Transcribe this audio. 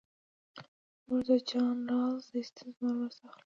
موږ د جان رالز د استعارې مرسته اخلو.